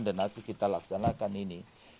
dan nanti kita laksanakan ini